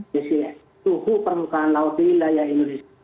di suhu permukaan laut di wilayah indonesia